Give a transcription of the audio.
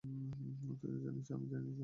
তুইতো জানিসই, আমি জানিনা আমি কে?